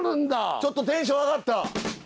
ちょっとテンション上がった。